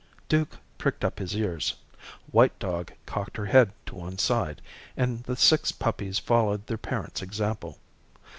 Duke pricked up his ears. White dog cocked her head to one side, and the six puppies followed their parents' example.